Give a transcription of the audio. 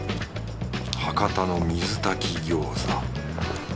博多の水炊き餃子。